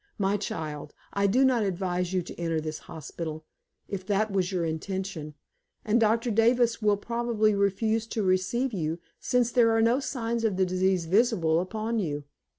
My child, I do not advise you to enter this hospital, if that was your intention. And Doctor Davis will probably refuse to receive you, since there are no signs of the disease visible upon you.